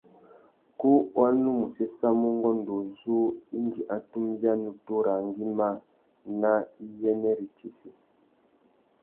Kú wa nu mù séssamú ungôndô uzu indi a tumbia nutu râā ngüimá nà iyênêritsessi.